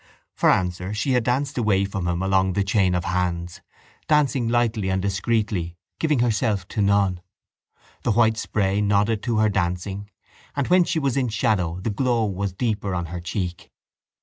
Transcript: For answer she had danced away from him along the chain of hands, dancing lightly and discreetly, giving herself to none. The white spray nodded to her dancing and when she was in shadow the glow was deeper on her cheek.